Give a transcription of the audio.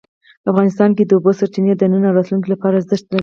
افغانستان کې د اوبو سرچینې د نن او راتلونکي لپاره ارزښت لري.